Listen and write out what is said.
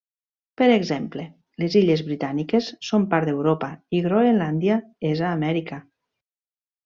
Per exemple, les illes Britàniques són part d'Europa i Groenlàndia és a Amèrica.